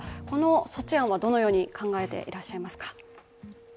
この措置案はどのように考えていらっしゃいますか？